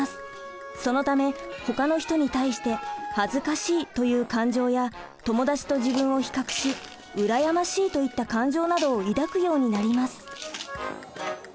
そのためほかの人に対して「恥ずかしい」という感情や友達と自分を比較し「羨ましい」といった感情などを抱くようになります。